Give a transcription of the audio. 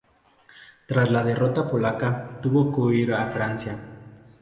Tras la derrota polaca tuvo que huir a Francia.